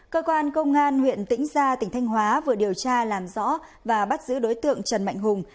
cơ quan công an huyện tĩnh gia tỉnh thanh hóa vừa điều tra làm rõ và bắt giữ đối tượng trần mạnh hùng